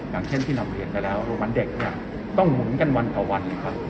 อย่างเช่นที่นำเรียนไปแล้วโรมันเด็กเนี่ยต้องหุมกันวันต่อวัน